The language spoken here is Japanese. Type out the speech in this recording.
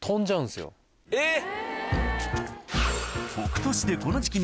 えっ。